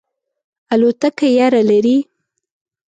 الوتکه یره لرئ؟